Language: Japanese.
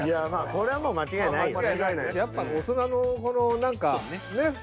これはもう間違いないよ。